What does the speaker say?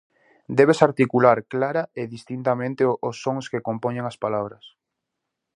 Debes articular clara e distintamente os sons que compoñen as palabras.